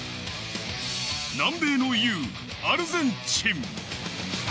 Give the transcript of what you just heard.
南米の雄、アルゼンチン。